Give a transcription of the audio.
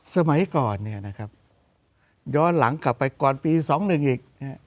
สมัยก่อนเนี่ยนะครับย้อนหลังกลับไปก่อนปี๒๑อีก